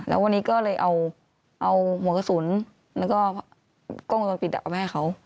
แล้ววันนี้ก็เลยเอาหัวกระสุนแล้วก็กล้องวงจรปิดเอาไปให้เขา